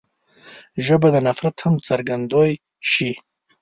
ژبه د نفرت هم څرګندوی شي